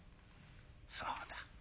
そうだ。